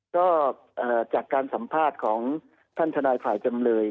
ก็จากการสัมภาษณ์ของท่านทนายฝ่ายจำเลย